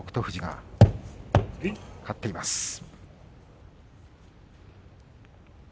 富士が勝っています。